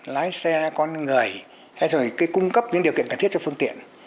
lái xe con người hay rồi cung cấp những điều kiện cần thiết cho phương tiện